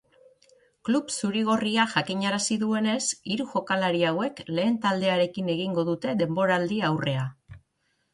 Klub zuri-gorriak jakinarazi duenez, hiru jokalari hauek lehen taldearekin egingo dute denboraldiaurrea.